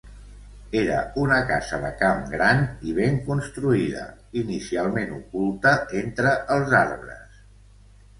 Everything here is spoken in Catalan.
Era una casa de camp gran i ben construïda, inicialment oculta entre els arbres.